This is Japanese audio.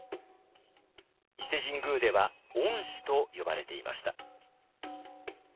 伊勢神宮では御師と呼ばれていました。